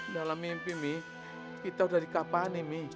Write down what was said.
dalam mimpi mi kita udah dikapani mi